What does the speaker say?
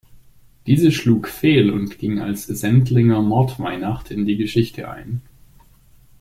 Diese schlug fehl und ging als „Sendlinger Mordweihnacht“ in die Geschichte ein.